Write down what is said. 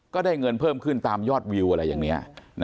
ก็ได้เงินเพิ่มขึ้นตามยอดวิวอะไรอย่างนี้